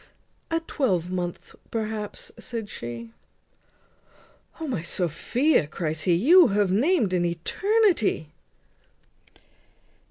"A twelvemonth, perhaps," said she. "O! my Sophia," cries he, "you have named an eternity."